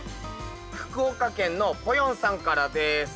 福岡県のぽよんさんからです。